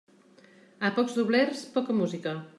A pocs doblers, poca música.